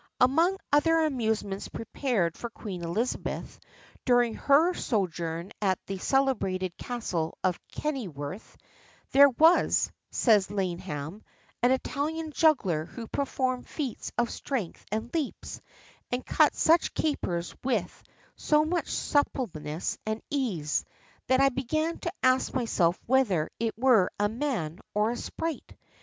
[XXXIV 28] Among other amusements prepared for Queen Elizabeth, during her sojourn at the celebrated castle of Kenilworth, "There was," says Laneham, "an Italian juggler who performed feats of strength and leaps, and cut such capers with so much suppleness and ease, that I began to ask myself whether it were a man or a sprite.